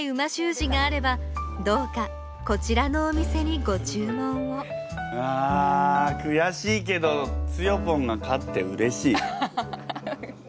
字があればどうかこちらのお店にご注文をああくやしいけどつよぽんが勝ってうれしい。